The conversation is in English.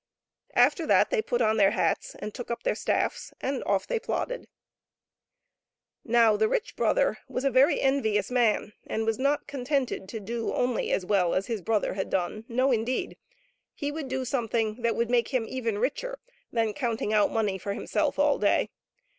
After that they put on their hats and took up their staffs, and off they plodded. Now the rich brother was a very envious man, and was not contented to do only as well as his brother had done, no indeed ! He would do some thing that would make him even richer than counting out money for himself all day.